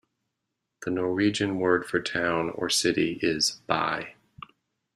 The Norwegian word for town or city is "by".